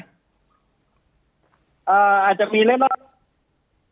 อ่าอาจจะมีอะไรบ้าง